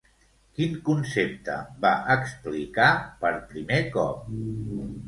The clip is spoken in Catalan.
Quin concepte va explicar per primer cop?